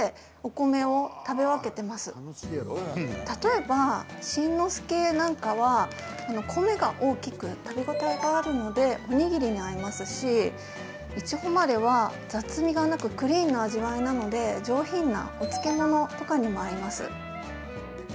例えば、新之介なんかは米が大きく食べ応えがあるのでおにぎりに合いますしいちほまれは、雑味がなくクリーンな味わいなので上品なお漬物とかにも合います。